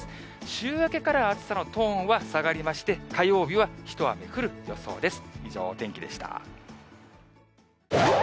週明けからは、暑さのトーンは下がりまして、火曜日は一雨降る予想です。